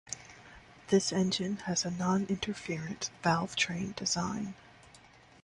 This engine has a non-interference valvetrain design.